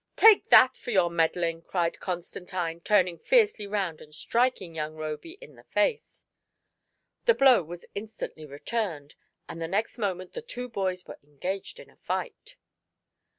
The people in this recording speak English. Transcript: "Take that for your meddling!" cried Constantine, turning fiercely round and striking young Roby in the face. The blow was instantly returned, and the next moment the two boys were engaged in fight.